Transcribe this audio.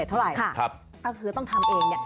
อย่างแรกเลยก็คือการทำบุญเกี่ยวกับเรื่องของพวกการเงินโชคลาภ